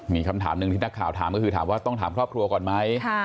มีคำถามหนึ่งที่นักข่าวถามก็คือถามว่าต้องถามครอบครัวก่อนไหม